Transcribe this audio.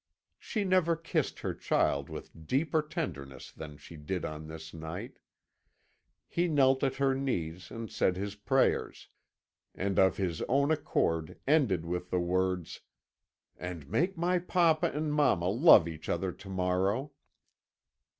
"She never kissed her child with deeper tenderness than she did on this night. He knelt at her knees and said his prayers, and of his own accord ended with the words: 'And make my papa and my mamma love each other to morrow!'